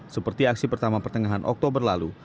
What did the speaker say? seperti aksi pertama pertengahan oktober lalu